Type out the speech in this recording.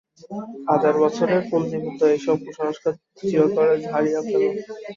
হাজার বছরের পুঞ্জীভূত এইসব কুসংস্কার চিরতরে ঝাড়িয়া ফেল।